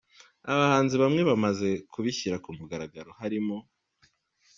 Abahanzi bamwe bamaze kubishyira kumugaragaro harimo :.